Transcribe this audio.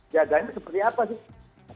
jaga itu seperti apa sih